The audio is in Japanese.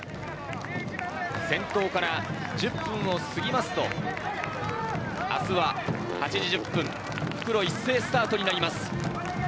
先頭から１０分を過ぎますと、明日は８時１０分、復路一斉スタートになります。